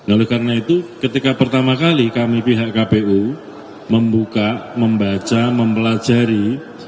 oleh karena itu ketika pertama kali kami pihak kpu membuka membaca mempelajari